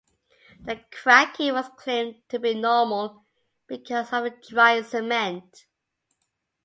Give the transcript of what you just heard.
The cracking was claimed to be normal because of the drying cement.